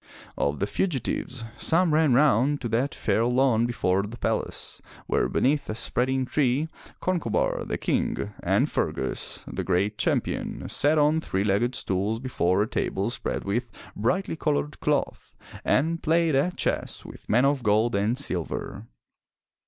Of the fugitives, some ran round to that fair lawn before the palace, where beneath a spreading tree, Concobar, the King, and Fergus, the great 403 MY BOOK HOUSE Champion, sat on three legged stools before a table spread with brightly colored cloth, and played at chess with men of gold and silver.